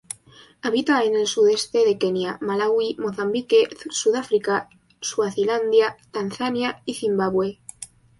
Habita en el sudeste de Kenia, Malaui, Mozambique, Sudáfrica, Suazilandia, Tanzania y Zimbabue.